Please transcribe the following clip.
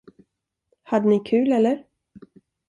Hade ni kul eller?